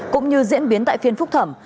cũng như diễn biến tại phiên phúc thẩm